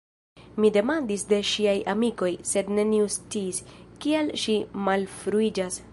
Mi demandis de ŝiaj amikoj, sed neniu sciis, kial ŝi malfruiĝas.